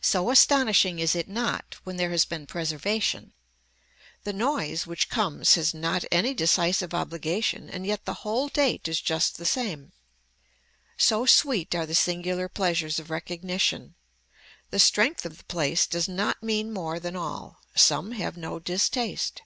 So astonishing is it not when there has been preservation. The noise which comes has not any decisive obligation and yet the whole date is just the same. So sweet are the singular pleasures of recognition. The strength of the place does not mean more than all. Some have no distaste.